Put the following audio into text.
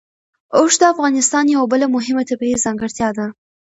اوښ د افغانستان یوه بله مهمه طبیعي ځانګړتیا ده.